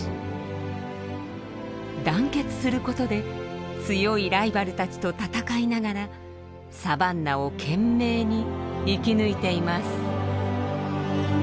団結することで強いライバルたちと戦いながらサバンナを懸命に生き抜いています。